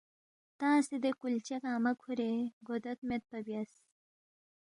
تنگسے دے کُلچہ گنگمہ کُھورے گوا دوت میدپا بیاس